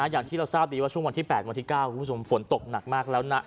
อย่างที่เราทราบดีว่าช่วงวันที่๘วันที่๙คุณผู้ชมฝนตกหนักมากแล้วนะ